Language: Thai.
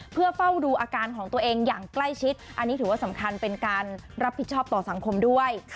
เพื่อเฝ้าดูอาการของตัวเองอย่างใกล้ชิดอันนี้ถือว่าสำคัญเป็นการรับผิดชอบต่อสังคมด้วย